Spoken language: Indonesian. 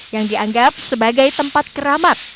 yang dianggap sebagai tempat keramat